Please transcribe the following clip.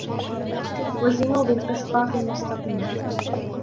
وَزِنُوا بِالْقِسْطَاسِ الْمُسْتَقِيمِ